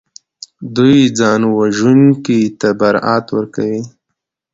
دوی ځانوژونکي ته برائت ورکوي